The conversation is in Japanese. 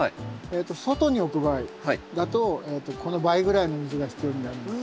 外に置く場合だとこの倍ぐらいの水が必要になります。